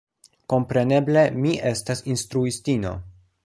Kompreneble mi estas instruistino.